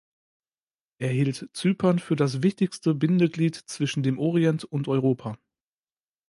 Er hielt Zypern für das wichtigste Bindeglied zwischen dem Orient und Europa.